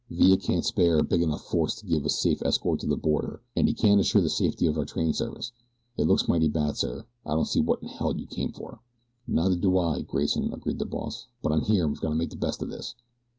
Villa can't spare a big enough force to give us safe escort to the border and he can't assure the safety of the train service. It looks mighty bad, sir I don't see what in hell you came for." "Neither do I, Grayson," agreed the boss; "but I'm here and we've got to make the best of it.